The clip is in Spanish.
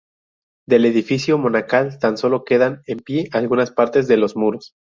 Del edificio monacal tan solo quedan en pie algunas partes de los muros.